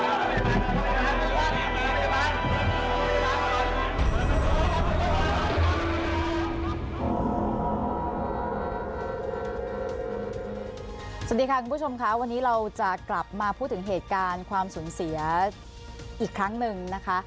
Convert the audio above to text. สวัสดีค่ะคุณผู้ชมค่ะวันนี้เราจะกลับมาพูดถึงเหตุการณ์ความสูญเสียอีกครั้งหนึ่งนะคะ